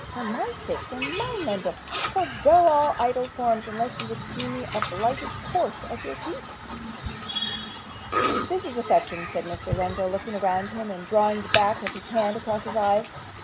'For my sake for mine, Lenville forego all idle forms, unless you would see me a blighted corse at your feet.' 'This is affecting!' said Mr. Lenville, looking round him, and drawing the back of his hand across his eyes.